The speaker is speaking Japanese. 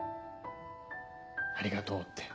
ありがとうって。